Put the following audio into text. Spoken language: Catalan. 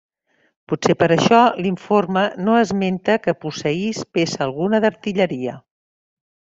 Potser per això l'informe no esmenta que posseís peça alguna d'artilleria.